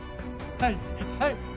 はいはい。